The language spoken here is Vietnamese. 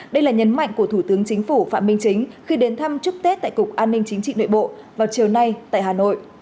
đây là nhấn mạnh của thủ tướng chính phủ phạm minh chính khi đến thăm chúc tết tại cục an ninh chính trị nội bộ vào chiều nay tại hà nội